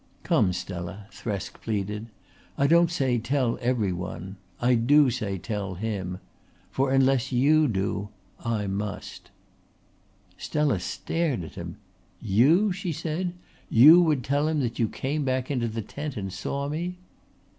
"Come, Stella," Thresk pleaded. "I don't say tell every one. I do say tell him. For unless you do I must." Stella stared at him. "You?" she said. "You would tell him that you came back into the tent and saw me?"